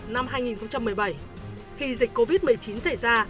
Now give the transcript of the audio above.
năm hai nghìn một mươi bảy khi dịch covid một mươi chín xảy ra